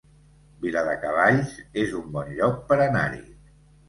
Viladecavalls es un bon lloc per anar-hi